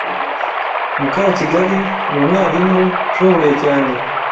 Mukakigali numwarimu ushoboye cyane.